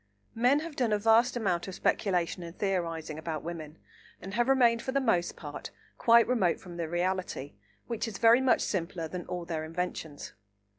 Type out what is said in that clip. Men have done a vast amount of speculation and theorising about women, and have remained for the most part quite remote from the reality, which is very much simpler than all their inventions.